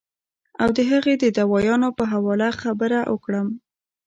او د هغې د دوايانو پۀ حواله خبره اوکړم